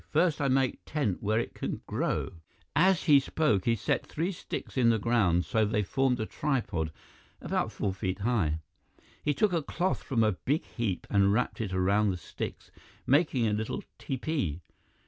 First I make tent where it can grow " As he spoke, he set three sticks in the ground so they formed a tripod about four feet high. He took a cloth from a big heap and wrapped it around the sticks, making a little tepee.